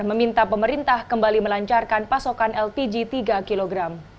meminta pemerintah kembali melancarkan pasokan lpg tiga kg